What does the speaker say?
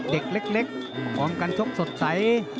เด็กเล็กพร้อมกันชกสดใส